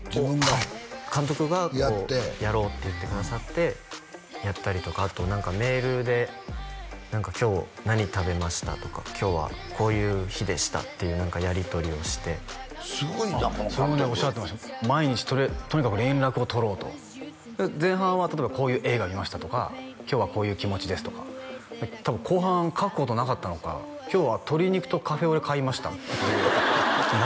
はい監督がやろうって言ってくださってやったりとかあとメールで今日何食べましたとか今日はこういう日でしたっていう何かやりとりをしてすごいなこの監督それもねおっしゃってました毎日とにかく連絡を取ろうと前半は例えばこういう映画見ましたとか今日はこういう気持ちですとか多分後半書くことなかったのか今日は鶏肉とカフェオレ買いました何？